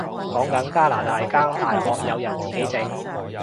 講緊加拿大間大學有人自己整